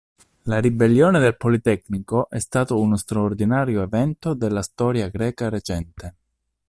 La 'Ribellione del Politecnico' è stato uno straordinario evento della storia greca recente.